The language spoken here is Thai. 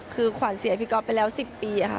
คือขวัญเสียพี่ก๊อฟไปแล้ว๑๐ปีค่ะ